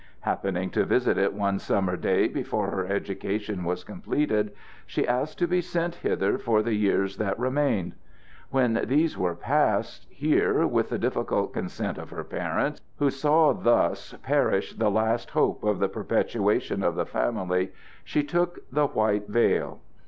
Happening to visit it one summer day before her education was completed, she asked to be sent hither for the years that remained. When these were past, here, with the difficult consent of her parents, who saw thus perish the last hope of the perpetuation of the family, she took the white veil.